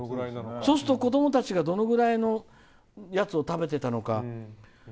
そうすると子どもたちがどのくらいのやつを食べてたのか。